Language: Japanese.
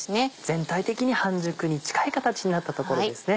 全体的に半熟に近い形になったところですね。